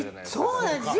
そうなんですよ。